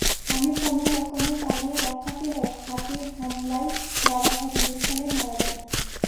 আমি কোনো রকমে পালিয়ে রক্ষা পেলেও হাতির হামলায় বাবা ঘটনাস্থলেই মারা যান।